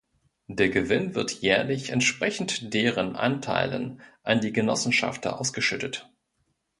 Der Gewinn wird jährlich entsprechend deren Anteilen an die Genossenschafter ausgeschüttet.